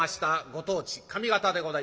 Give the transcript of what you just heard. ご当地上方でございます。